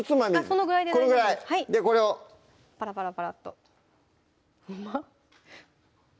このぐらいでこれをパラパラパラッとうまっ！